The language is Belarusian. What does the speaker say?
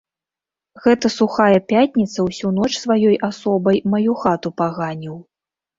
Гэта сухая пятніца ўсю ноч сваёй асобай маю хату паганіў.